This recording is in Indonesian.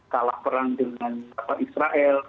kalah perang dengan israel